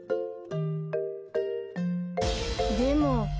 ［でも］